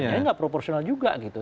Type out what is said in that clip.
kayaknya nggak proporsional juga gitu